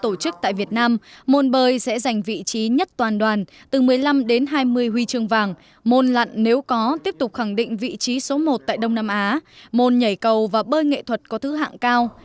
tổ chức tại việt nam môn bơi sẽ giành vị trí nhất toàn đoàn từ một mươi năm đến hai mươi huy chương vàng môn lặn nếu có tiếp tục khẳng định vị trí số một tại đông nam á môn nhảy cầu và bơi nghệ thuật có thứ hạng cao